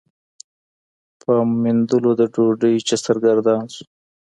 په میندلو د ډوډۍ چي سرګردان سو